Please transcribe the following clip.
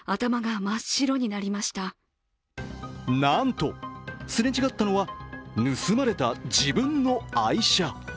なんと、すれ違ったのは盗まれた自分の愛車。